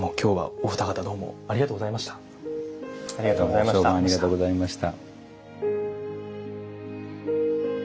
お相伴ありがとうございました。